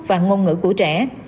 và ngôn ngữ của trẻ